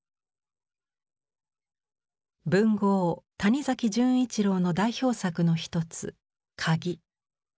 文豪谷崎潤一郎の代表作の一つ「鍵」。